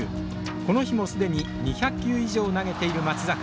この日も、すでに２００球以上投げている松坂。